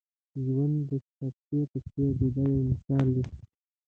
ژوند د کتابچې په څېر دی دا یو مثال دی.